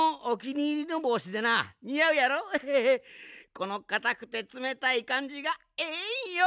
このかたくてつめたいかんじがええんよ。